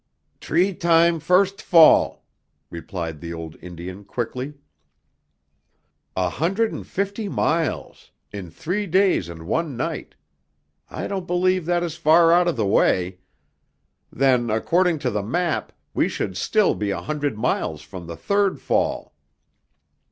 "T'ree time first fall," replied the old Indian quickly. "A hundred and fifty miles in three days and one night. I don't believe that is far out of the way. Then, according to the map, we should still be a hundred miles from the third fall."